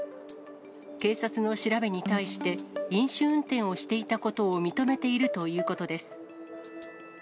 警察の調べに対して、飲酒運転をしていたことを認めているということです。